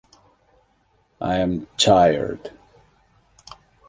I am tired.